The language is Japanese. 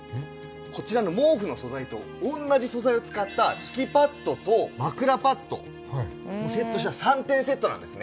こちらの毛布の素材と同じ素材を使った敷きパッドと枕パッドもセットにした３点セットなんですね。